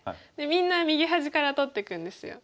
みんな右端から取っていくんですよ。